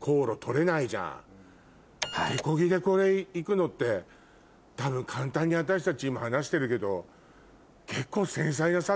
手こぎでこれ行くのって多分簡単に私たち今話してるけど結構。